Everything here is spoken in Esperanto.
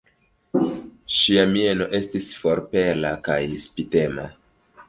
Ŝia mieno estis forpela kaj spitema.